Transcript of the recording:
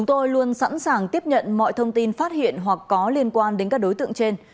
tôi luôn sẵn sàng tiếp nhận mọi thông tin phát hiện hoặc có liên quan đến các đối tượng trên